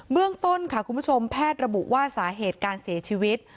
เรื่องต้นค่ะคุณผู้ชมแพทย์ระบุว่าสาเหตุการเสียชีวิต